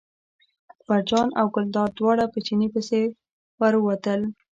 اکبرجان او ګلداد دواړه په چیني پسې ور ووتل.